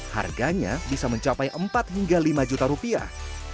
harganya bisa mencapai empat hingga lima juta rupiah